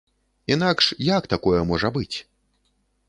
Інакш, як такое можа быць?